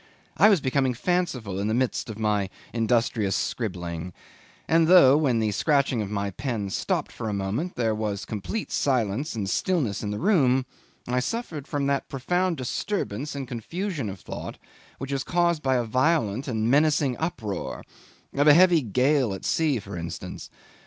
I was becoming fanciful in the midst of my industrious scribbling; and though, when the scratching of my pen stopped for a moment, there was complete silence and stillness in the room, I suffered from that profound disturbance and confusion of thought which is caused by a violent and menacing uproar of a heavy gale at sea, for instance.